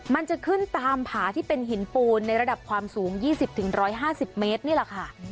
มันจะขึ้นตามผาที่เป็นหินปูนในระดับความสูง๒๐๑๕๐เมตรนี่แหละค่ะ